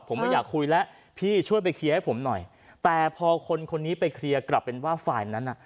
ผมไม่อยากคุยแล้วพี่ช่วยไปเคลียร์ให้ผมหน่อยแต่พอคนคนนี้ไปเคลียร์กลับเป็นว่าฝ่ายนั้นน่ะ